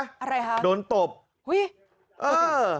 อะไรฮะโดนโต๊บอื้อ